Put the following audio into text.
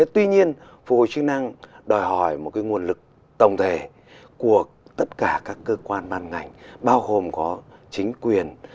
tuy nhiên phục hồi chức năng đòi hỏi một nguồn lực tổng thể của tất cả các cơ quan bàn ngành bao gồm có chính quyền